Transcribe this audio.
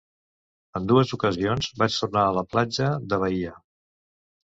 En dues ocasions vaig tornar a la platja de Baia.